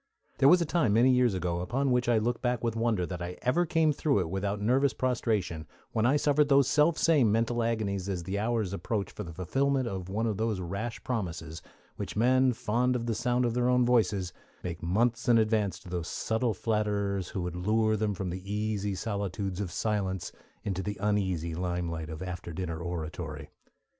There was a time many years ago, upon which I look back with wonder that I ever came through it without nervous prostration, when I suffered those selfsame mental agonies as the hour approached for the fulfilment of one of those rash promises which men fond of the sound of their own voices make months in advance to those subtle flatterers who would lure them from the easy solitudes of silence into the uneasy limelight of after dinner oratory.